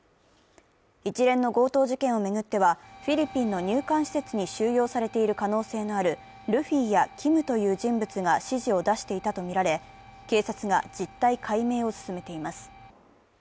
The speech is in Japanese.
一連の強盗事件を巡ってはフィリピンの入管施設に収容されている可能性のあるルフィやＫｉｍという人物が指示を出していたとみられ、警察が実態解明を進めています。